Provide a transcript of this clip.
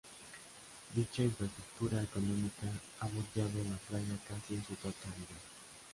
Dicha infraestructura económica ha bordeado la playa casi en su totalidad.